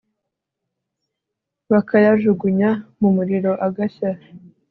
bakayajugunya mu muriro agashya